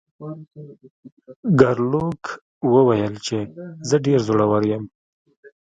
ګارلوک وویل چې زه ډیر زورور یم.